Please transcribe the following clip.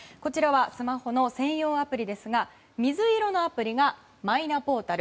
スマホの専用アプリですが水色のアプリがマイナポータル。